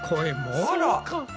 あら！